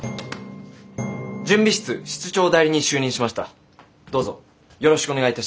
準備室室長代理に就任しましたどうぞよろしくお願いいたします。